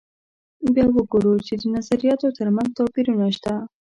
بیا وګورو چې د نظریاتو تر منځ توپیرونه شته.